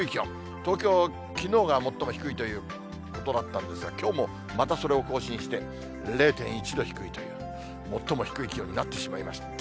東京、きのうが最も低いということだったんですが、きょうもまたそれを更新して、０．１度低いという、最も低い気温になってしまいました。